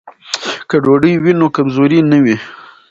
که ډوډۍ وي نو کمزوري نه وي.